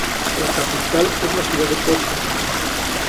La capital es la ciudad de Kōchi.